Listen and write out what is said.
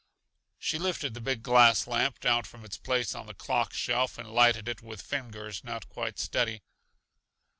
She lifted the big glass lamp down from its place on the clock shelf and lighted it with fingers not quite steady.